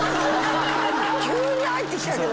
急に入ってきたけど。